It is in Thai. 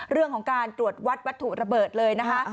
เรื่องของการตรวจวัดวัตถุระเบิดเลยนะคะ